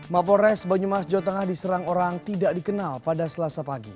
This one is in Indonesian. mapores banyumas jawa tengah diserang orang tidak dikenal pada selasa pagi